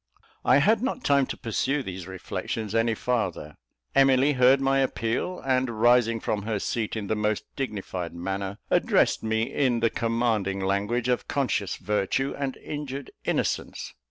I had not time to pursue these reflections any farther. Emily heard my appeal, and rising from her seat in the most dignified manner, addressed me in the commanding language of conscious virtue and injured innocence.